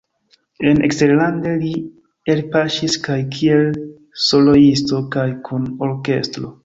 En eksterlande li elpaŝis kaj kiel soloisto kaj kun orkestro.